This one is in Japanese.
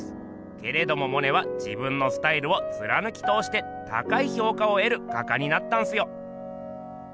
けれどもモネは自分のスタイルをつらぬきとおして高い評価をえる画家になったんすよ。